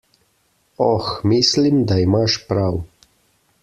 Oh, mislim, da imaš prav.